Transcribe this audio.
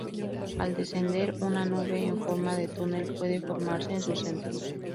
Al descender, una nube en forma de túnel puede formarse en su centro.